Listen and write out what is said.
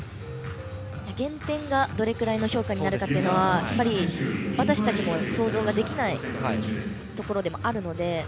減点がどれくらいの評価になるかは私たちも想像ができないところでもあるので。